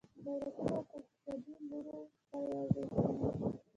دولتونه د ورته اقتصادي لورو سره یوځای کیږي